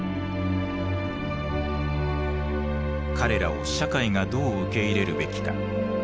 彼らを社会がどう受け入れるべきか。